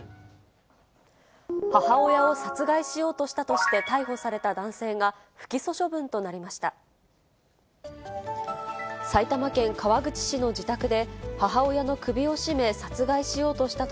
母親を殺害しようとしたとして逮捕された男性が、不起訴処分となりました。